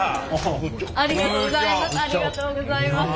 ありがとうございます。